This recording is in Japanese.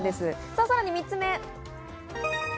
さらに３つ目。